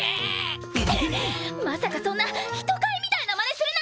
まさかそんな人買いみたいなまねするなんて！